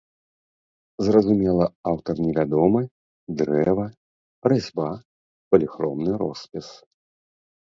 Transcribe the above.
Зразумела, аўтар невядомы, дрэва, разьба, паліхромны роспіс.